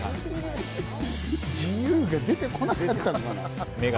自由が出てこなかった。